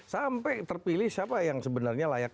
sampai terpilih siapa yang sebenarnya layak